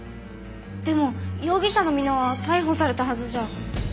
でも容疑者の箕輪は逮捕されたはずじゃ。